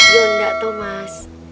ya enggak thomas